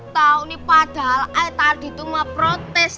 tau nih padahal ayat tardi itu mau protes